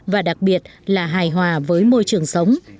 và đặc biệt là hài hòa với môi trường sống